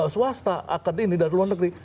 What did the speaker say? tiga puluh swasta akan ini dari luar negeri